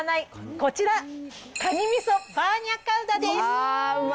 こちら、かにみそバーニャカウダです。